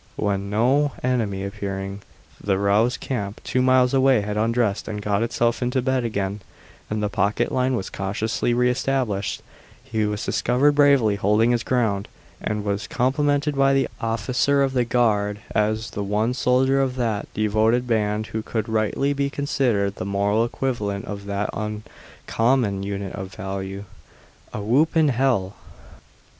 When, no enemy appearing, the roused camp two miles away had undressed and got itself into bed again, and the picket line was cautiously re established, he was discovered bravely holding his ground, and was complimented by the officer of the guard as the one soldier of that devoted band who could rightly be considered the moral equivalent of that uncommon unit of value, "a whoop in hell."